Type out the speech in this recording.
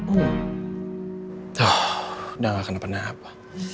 udah gak kena kena apa